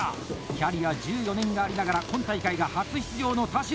キャリア１４年がありながら今大会が初出場の田代！